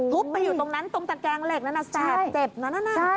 ทุบไปอยู่ตรงนั้นตรงจัดกลางเหล็กนั่นน่ะจัดเจ็บน่ะน่ะน่ะ